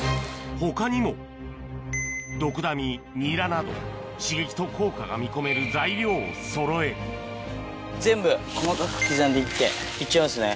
他にもドクダミニラなど刺激と効果が見込める材料をそろえ全部細かく刻んでいっていっちゃいますね。